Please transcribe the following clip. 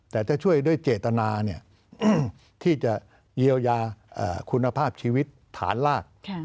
แต่ถ้าช่วยด้วยเจตนาที่จะเยียวยาคุณภาพชีวิตฐานลาก